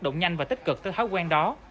nhanh và tích cực tới thói quen đó